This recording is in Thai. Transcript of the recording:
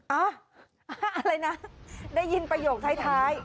อะไรนะได้ยินประโยคท้าย